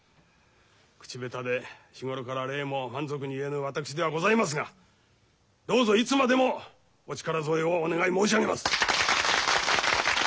口下手で日頃から礼も満足に言えぬ私ではございますがどうぞいつまでもお力添えをお願い申し上げます。